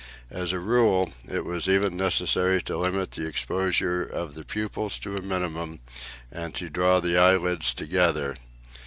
As a rule, it was even necessary to limit the exposure of the pupils to a minimum, and to draw the eyelids together.